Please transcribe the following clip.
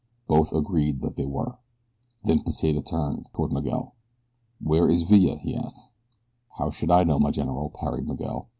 Both agreed that they were. Then Pesita turned toward Miguel. "Where is Villa?" he asked. "How should I know, my general?" parried Miguel.